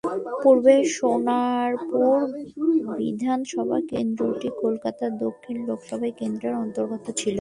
পূর্বে সোনারপুর বিধানসভা কেন্দ্রটি কলকাতা দক্ষিণ লোকসভা কেন্দ্রের অন্তর্গত ছিল।